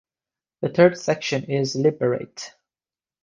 The third section is Liberate!